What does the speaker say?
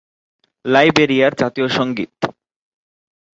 লাইবেরিয়ার জাতীয় সঙ্গীত।